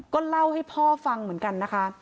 ก็เล่าให้พ่อฟังเหมือนกันนะคะ